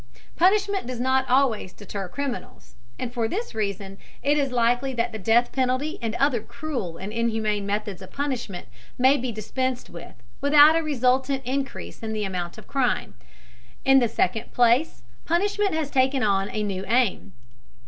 Punishment does not always deter criminals, and for this reason it is likely that the death penalty and other cruel and inhuman methods of punishment may be dispensed with, without a resultant increase in the amount of crime. In the second place, punishment has taken on a new aim.